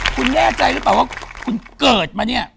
คุณแน่ใจหรือเปล่าว่าคุณเกิดมาเนี่ย